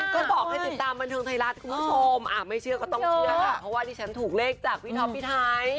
อย่าบอกให้ติดตามบรรเทิงไทยรัฐคุณผู้ชมอ่าไม่เชื่อก็ต้องเชื่อนะคะ